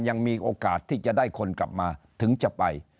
ยังมีโอกาสที่จะได้คนกลับมาถึงจะไป